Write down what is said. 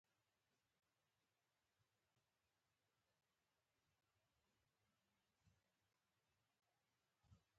خواښې د مېړه مور